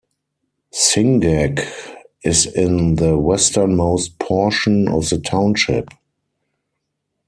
Singac is in the westernmost portion of the township.